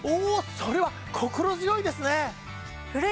それは心強いですね！